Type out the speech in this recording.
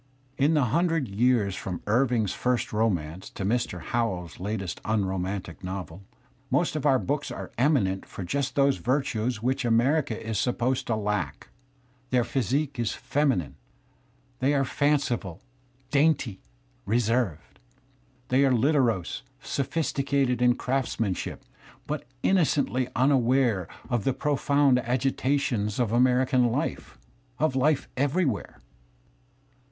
In the himdred years from Irving's first romance to Mr. Howells's latest unromantic novel, most of our books are eminent for just those virtues which America jj is supposed to lack. Their physique is feminine; they are fanciful, dainty, reserved; they are literose, sophisticated in craftsmanship, but innocently unaware of the profound agi r Digitized by Google r^lj GENERAL CHARACTERISTICS 15 tations of American life, of life everywhere.